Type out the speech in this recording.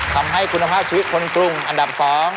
ทำให้คุณภาพชีวิตคนกรุงอันดับ๒